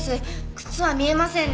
靴は見えませんね。